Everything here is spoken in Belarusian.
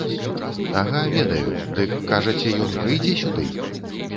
Ага, ведаю, дык, кажаце, ён прыйдзе сюды?